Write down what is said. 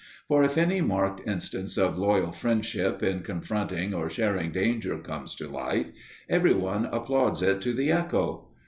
For if any marked instance of loyal friendship in confronting or sharing danger comes to light, every one applauds it to the echo.